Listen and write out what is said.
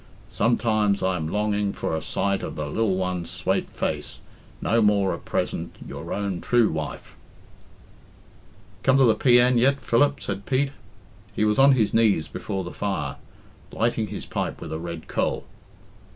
sometimes i am longing for a sight of the lil ones swate face... no more at present... ure own trew wife." "Come to the P. N. yet, Philip?" said Pete. He was on his knees before the fire, lighting his pipe with a red coal.